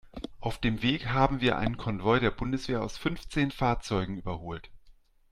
Auf dem Weg haben wir einen Konvoi der Bundeswehr aus fünfzehn Fahrzeugen überholt.